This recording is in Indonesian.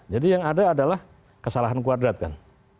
jadi yang ada adalah kesalahan kuadrat kan